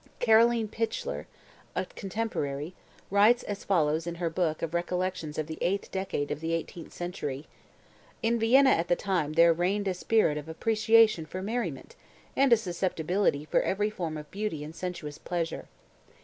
Karoline Pichler, a contemporary, writes as follows in her book of recollections of the eighth decade of the eighteenth century: "In Vienna at the time there reigned a spirit of appreciation for merriment and a susceptibility for every form of beauty and sensuous pleasure.